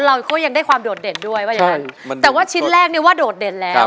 เราก็ยังได้ความโดดเด่นด้วยว่าอย่างนั้นแต่ว่าชิ้นแรกเนี่ยว่าโดดเด่นแล้ว